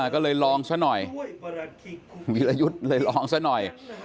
ก็เลยลองซะหน่อยวีรยุทธ์เลยลองซะหน่อย